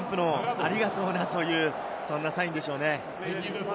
ありがとうなという、そんなサインでしょうね。